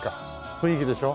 雰囲気でしょ？